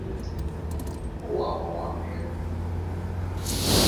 唔好話我話你吖